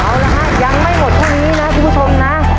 เอาละฮะยังไม่หมดเท่านี้นะคุณผู้ชมนะ